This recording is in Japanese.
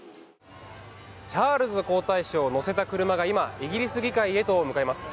チャールズ皇太子を乗せた車が今、イギリス議会へと向かいます。